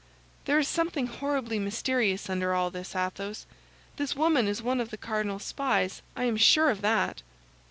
"There is something horribly mysterious under all this, Athos; this woman is one of the cardinal's spies, I am sure of that."